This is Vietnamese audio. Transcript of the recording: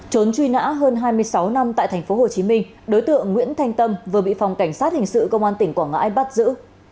trốn truy nã hơn hai mươi sáu năm tại tp hcm đối tượng nguyễn thanh tâm vừa bị phòng cảnh sát hình sự công an tỉnh quảng ngãi bắt giữ